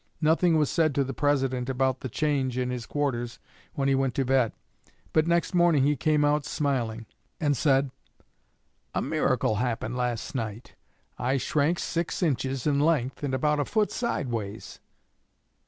Nothing was said to the President about the change in his quarters when he went to bed; but next morning he came out smiling, and said: 'A miracle happened last night; I shrank six inches in length and about a foot sideways.